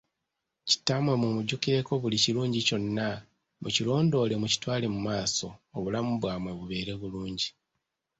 Kitammwe mu mujjukireko buli kirungi kyonna mu kirondoole mu kitwale mu maaso obulamu bwammwe bubeere bulungi.